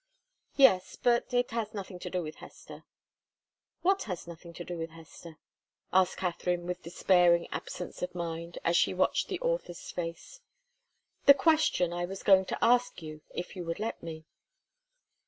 "Yes. But it has nothing to do with Hester " "What has nothing to do with Hester?" asked Katharine, with despairing absence of mind, as she watched the author's face. "The question I was going to ask you if you would let me."